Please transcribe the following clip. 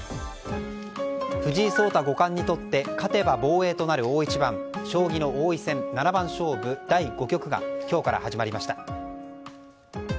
藤井聡太五冠にとって勝てば防衛となる将棋の王位戦七番勝負第５局が今日から始まりました。